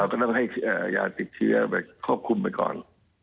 ก็ต้องให้ยาติดเชื้อไปควบคุมไปก่อน